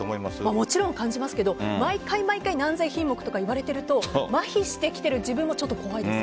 もちろん感じますが毎回毎回何千品目とか言われているとまひしてきている自分も怖いです。